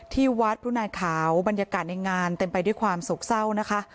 ที่วัดผู้นายขาวบรรยากาศในงานเต็มไปด้วยความโศกเศร้านะคะ